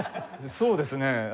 そうですね。